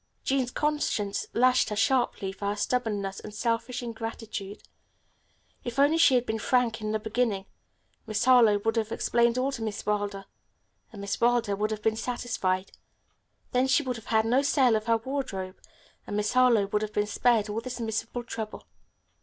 Jean's conscience lashed her sharply for her stubbornness and selfish ingratitude. If only she had been frank in the beginning. Miss Harlowe would have explained all to Miss Wilder, and Miss Wilder would have been satisfied. Then she would have had no sale of her wardrobe, and Miss Harlowe would have been spared all this miserable trouble.